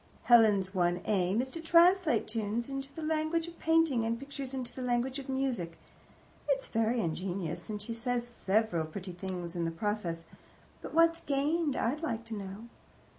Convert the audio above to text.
Helen's one aim is to translate tunes into the language of painting, and pictures into the language of music. It's very ingenious, and she says several pretty things in the process, but what's gained, I'd like to know?